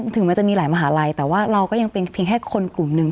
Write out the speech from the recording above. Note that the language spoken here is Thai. ถึงมันจะมีหลายมหาลัยแต่ว่าเราก็ยังเป็นเพียงแค่คนกลุ่มหนึ่ง